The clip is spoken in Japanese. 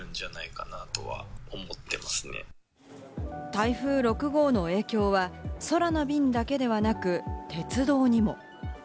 台風６号の影響は空の便だけではなく、鉄道にも。